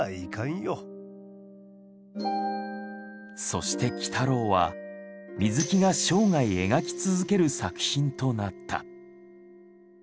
そして鬼太郎は水木が生涯描き続ける作品となった。